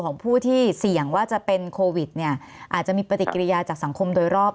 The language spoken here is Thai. ของผู้ที่เสี่ยงว่าจะเป็นโควิดเนี่ยอาจจะมีปฏิกิริยาจากสังคมโดยรอบ